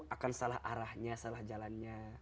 akan salah arahnya salah jalannya